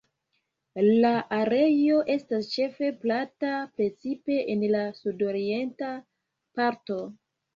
La areo estas ĉefe plata, precipe en la sudorienta parto.